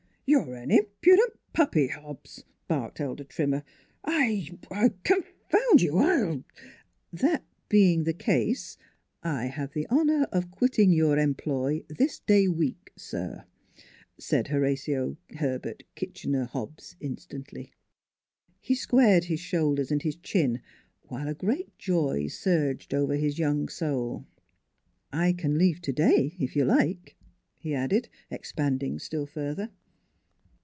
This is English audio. " You're an impudent puppy, Hobbs !" barked Elder Trimmer. " I Confound you T'ii , 1 IX " That being the case, I have the honor of quitting your employ this day week, sir," said Horatio Herbert Kitchener Hobbs instantly. He squared his shoulders and his chin, while a great joy surged over his young soul. " I can leave today, if you like," he added, ex panding still further.